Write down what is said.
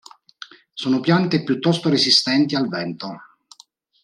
Sono piante piuttosto resistenti al vento.